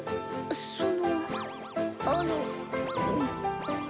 そのあのん。